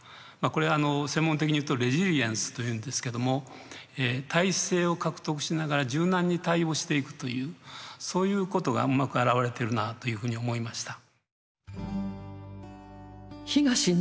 これ専門的に言うとレジリエンスというんですけども耐性を獲得しながら柔軟に対応していくというそういうことがうまく表れているなというふうに思いました。